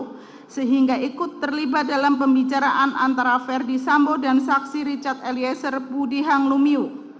sambo sehingga ikut terlibat dalam pembicaraan antara ferdi sambo dan saksi richard eliezer budi hanglumiu